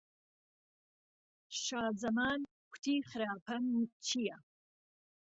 شازەمان کوتی خراپەم چییه